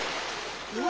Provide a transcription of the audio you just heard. うわ。